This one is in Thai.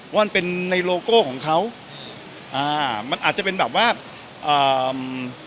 ว่ามันเป็นในโลโก้ของเขาอ่ามันอาจจะเป็นแบบว่าอ่า